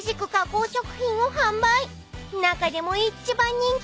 ［中でも一番人気が］